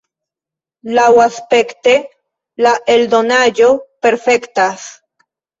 Laŭaspekte la eldonaĵo perfektas.